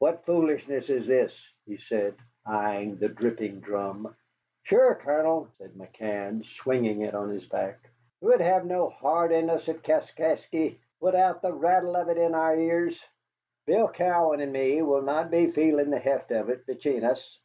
"What foolishness is this?" he said, eying the dripping drum. "Sure, Colonel," said McCann, swinging it on his back, "we'd have no heart in us at Kaskasky widout the rattle of it in our ears. Bill Cowan and me will not be feeling the heft of it bechune us."